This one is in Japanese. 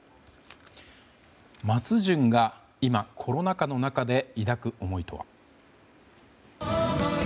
松潤が今コロナ禍の中で抱く思いとは。